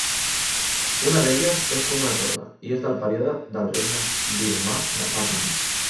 Una d'elles és com una torre i és del període del regne birmà de Pagan.